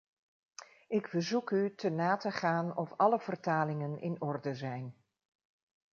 Ik verzoek u te na te gaan of alle vertalingen in orde zijn.